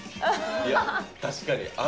いや確かに。